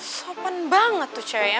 sopen banget tuh ceweknya